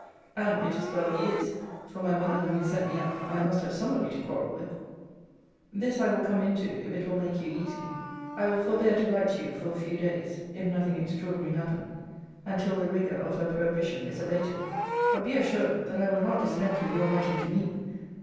And it is well he is; for my mother having set me up, I must have somebody to quarrel with. This I will come into if it will make you easy I will forbear to write to you for a few days, if nothing extraordinary happen, and till the rigour of her prohibition is abated. But be assured that I will not dispense with your writing to me.